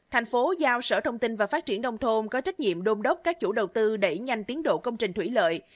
thành phố giao sở thông tin và phát triển đông thôn có trách nhiệm đôn đốc các chủ đầu tư đẩy nhanh tiến độ công trình thủy lợi